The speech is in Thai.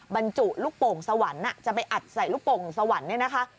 บรรจุลูกโป่งสวรรค์จะไปอัดใส่ลูกโป่งสวรรค์เนี่ยนะคะ